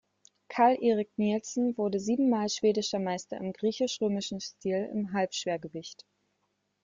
Karl-Erik Nilsson wurde siebenmal schwedischer Meister im griechisch-römischen Stil im Halbschwergewicht